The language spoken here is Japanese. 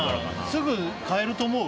すぐ買えると思う？